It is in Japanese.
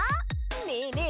ねえねえ